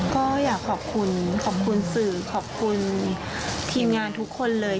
ก็อยากขอบคุณขอบคุณสื่อขอบคุณทีมงานทุกคนเลย